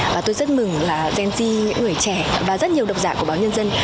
và tôi rất mừng là gen z những người trẻ và rất nhiều độc giả của báo nhân dân